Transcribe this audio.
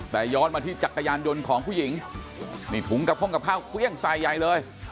แต่ย้อนมาที่จักรยานยนต์ของผู้หญิงนี่ถุงกับห้องกับข้าวเครื่องใส่ใหญ่เลย